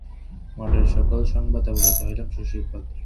মঠের সকল সংবাদ অবগত হইলাম শশীর পত্রে।